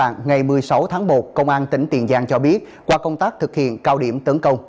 ngày một mươi sáu tháng một công an tỉnh tiền giang cho biết qua công tác thực hiện cao điểm tấn công